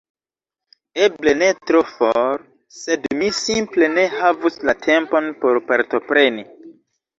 Eble ne tro for, sed mi simple ne havus la tempon por partopreni.